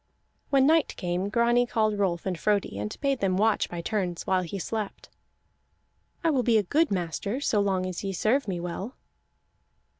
When night came Grani called Rolf and Frodi, and bade them watch by turns while he slept. "I will be a good master so long as ye serve me well."